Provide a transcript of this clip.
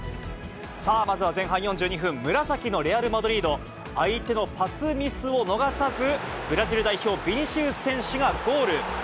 さあ、まずは前半４２分、紫のレアル・マドリード、相手のパスミスを逃さず、ブラジル代表、ビニシウス選手がゴール。